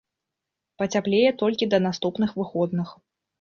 Пацяплее толькі да наступных выходных.